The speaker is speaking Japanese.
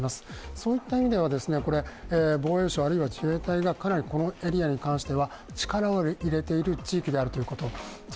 そういった意味では、防衛省あるいは自衛隊がかなりこのエリアに関しては力を入れている地域であるということ。